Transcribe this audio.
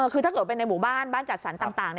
คือถ้าเกิดเป็นในหมู่บ้านบ้านจัดสรรต่าง